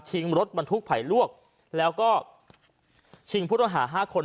ชิงรถบรรทุกผ่ายรวกแล้วก็ชิงผู้ต้องหา๕คน